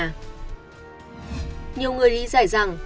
nhiều người lý giải rằng